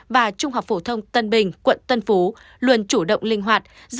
và trung học phổ thông tân bình quận tân phú luôn chủ động linh hoạt